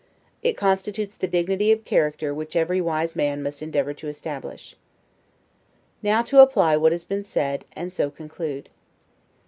It constitutes the dignity of character which every wise man must endeavor to establish. Now to apply what has been said, and so conclude.